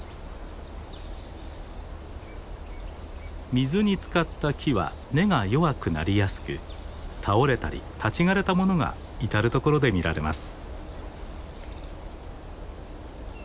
水につかった木は根が弱くなりやすく倒れたり立ち枯れたものが至る所で見られます。